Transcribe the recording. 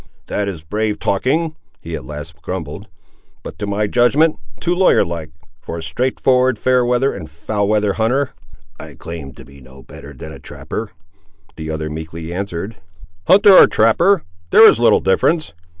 "This is brave talking," he at length grumbled; "but to my judgment, too lawyer like, for a straight forward, fair weather, and foul weather hunter." "I claim to be no better than a trapper," the other meekly answered. "Hunter or trapper—there is little difference.